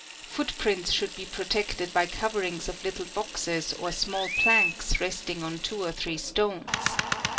Footprints should be protected by 'coverings of little boxes or small planks resting on two or three stones.